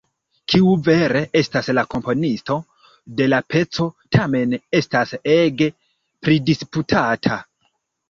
Kiu vere estas la komponisto de la peco, tamen estas ege pridisputata.